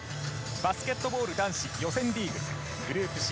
バスケットボール男子予選リーグ、グループＣ。